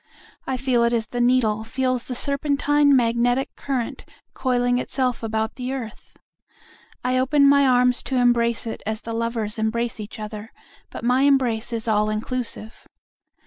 I feel it as the needle feels the serpentine magnetic current coiling itself about the earth.I open my arms to embrace it as the lovers embrace each other, but my embrace is all inclusive.